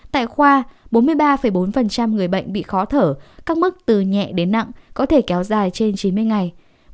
tại khoa bốn mươi ba bốn người bệnh bị khó thở các mức từ nhẹ đến nặng có thể kéo dài trên chín mươi ngày